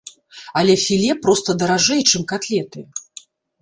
Але філе проста даражэй, чым катлеты.